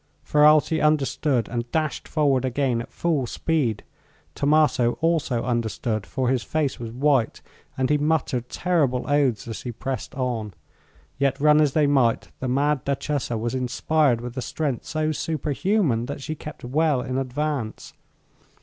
Ferralti understood, and dashed forward again at full speed. Tommaso also understood, for his face was white and he muttered terrible oaths as he pressed on. Yet run as they might, the mad duchessa was inspired with a strength so superhuman that she kept well in advance.